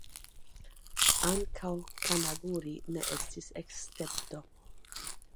Ankaŭ Kanaguri ne estis escepto.